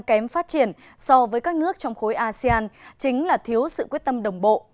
kém phát triển so với các nước trong khối asean chính là thiếu sự quyết tâm đồng bộ